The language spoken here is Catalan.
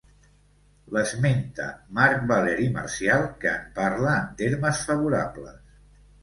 L'esmenta Marc Valeri Marcial que en parla en termes favorables.